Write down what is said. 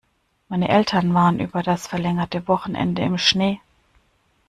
Meine Eltern waren über das verlängerte Wochenende im Schnee.